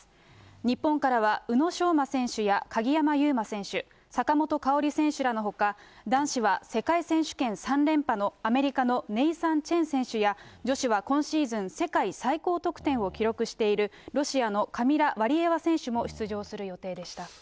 日本からは宇野昌磨選手や鍵山優真選手、坂本花織選手らのほか、男子は世界選手権３連覇のアメリカのネイサン・チェン選手や、女子は今シーズン世界最高得点を記録している、ロシアのカミラ・ワリエワ選手も出場する予定でした。